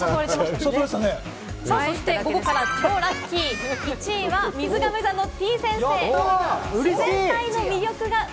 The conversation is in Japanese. そして午後から超ラッキー、みずがめ座のてぃ先生。